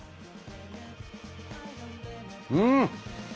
うん！